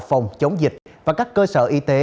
phòng chống dịch và các cơ sở y tế